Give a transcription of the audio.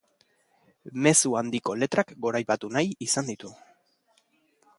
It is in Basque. Mezu handiko letrak goraipatu nahi izan ditu.